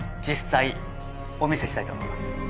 実際お見せしたいと思います。